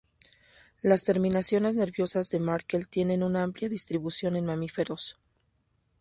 Las terminaciones nerviosas de Merkel tienen una amplia distribución en mamíferos.